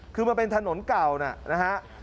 คือมันเป็นถนนเก่านะฮะ